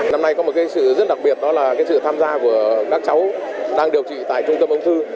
năm nay có một sự rất đặc biệt đó là sự tham gia của các cháu đang điều trị tại trung tâm ung thư